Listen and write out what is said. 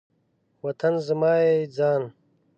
وطن زما یی ځان